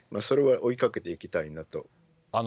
それは追いかけていきたいなと。